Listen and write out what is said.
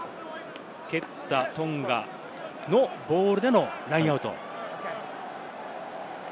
蹴ったトンガのボールでのラインアウト。